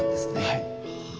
はい。